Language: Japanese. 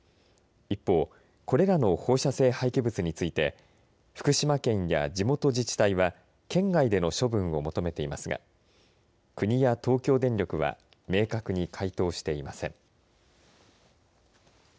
一方、これらの放射性廃棄物について福島県や地元自治体は県外での処分を求めていますが国や東京電力は明確に回答していません。